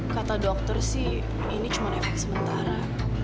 kata dokter sih ini cuma efek sementara